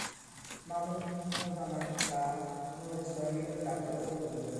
Mahmud Muhammad Taha non restò in libertà troppo a lungo.